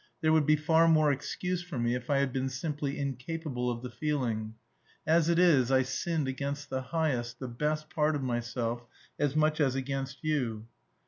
There would be far more excuse for me if I had been simply incapable of the feeling. As it is, I sinned against the highest, the best part of myself, as much as against you."